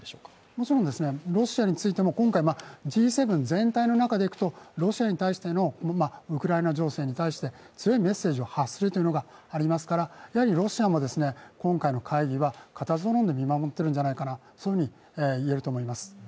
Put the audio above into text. もちろんロシアについても今回、Ｇ７全体の中でいくとロシアに対して、ウクライナ情勢に対して強いメッセージを発するというのがありますからやはりロシアも今回の会議は固唾をのんで見守っているんじゃないかと言えると思います。